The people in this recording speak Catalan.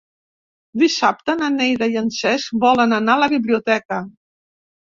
Dissabte na Neida i en Cesc volen anar a la biblioteca.